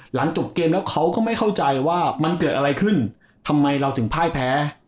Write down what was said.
หลังจบเกมแล้วเขาก็ไม่เข้าใจว่ามันเกิดอะไรขึ้นทำไมเราถึงพ่ายแพ้